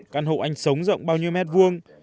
căn hộ anh sống rộng bao nhiêu mét vuông